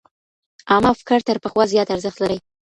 عامه افکار تر پخوا زيات ارزښت لري.